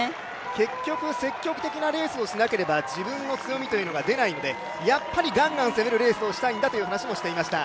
結局積極的なレースをしなければ自分の強みというのが出ないのでやっぱりがんがん攻めるレースをしたいんだという話をしていました。